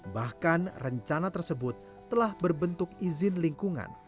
bahkan rencana tersebut telah berbentuk izin lingkungan